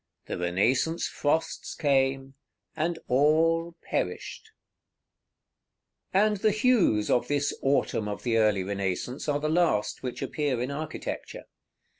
The Renaissance frosts came, and all perished!" § XXIV. And the hues of this autumn of the early Renaissance are the last which appear in architecture.